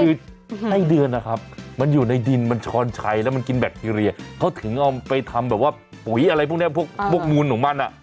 คือไส้เดือนนะครับมันอยู่ในดินมันช้อนชัยแล้วมันกินแบคทีเรียเขาถึงเอาไปทำแบบว่าปุ๋ยอะไรพวกนี้พวกมูลของมันอ่ะ